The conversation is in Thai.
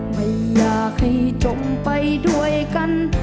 ไม่อยากให้จมไปด้วยกัน